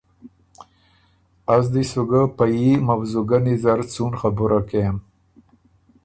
از دی سُو ګۀ پئ ييموضوګنی زر څُون خبُره کېم۔